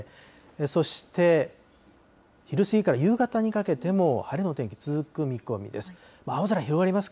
そして、昼過ぎから夕方にかけても晴れの天気続く見込みです。